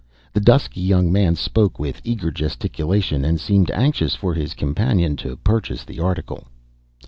The dusky young man spoke with eager gesticulation, and seemed anxious for his companion to purchase the article.